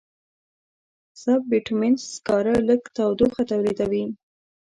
سب بټومینس سکاره لږ تودوخه تولیدوي.